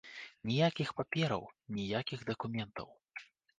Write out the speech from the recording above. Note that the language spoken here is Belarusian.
Ніякіх папераў, ніякіх дакументаў.